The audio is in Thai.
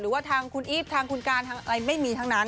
ว่าทางคุณอีฟทางคุณการทางอะไรไม่มีทั้งนั้น